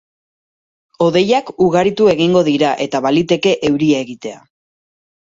Hodeiak ugaritu egingo dira, eta baliteke euria egitea.